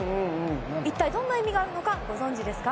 一体、どんな意味があるのかご存じですか？